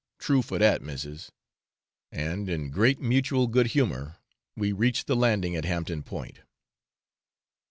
true for dat, missis,' and in great mutual good humour we reached the landing at Hampton Point.